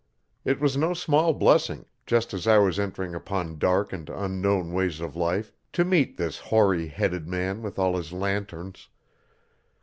It was no small blessing, just as I was entering upon dark and unknown ways of life, to meet this hoary headed man with all his lanterns.